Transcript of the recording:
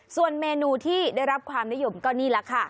ส่วนเมนูที่ได้รับความนิยมก็นี่แหละค่ะ